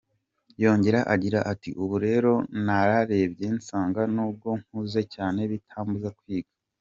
Yongera agira ati “Ubu rero nararebye nsanga nubwo nkuze cyane bitambuza kwiga.